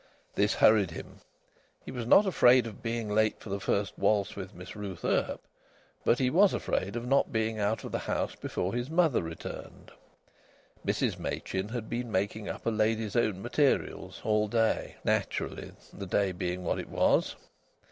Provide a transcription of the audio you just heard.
This hurried him. He was not afraid of being late for the first waltz with Miss Ruth Earp, but he was afraid of not being out of the house before his mother returned. Mrs Machin had been making up a lady's own materials all day, naturally the day being what it was!